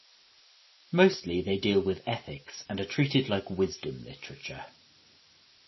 Mostly they deal with ethics and are treated like wisdom literature.